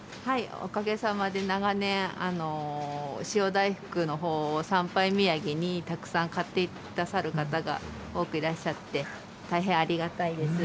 おかげさまで、長年、塩大福のほうを参拝土産にたくさん買ってくださる方が多くいらっしゃって、大変ありがたいです。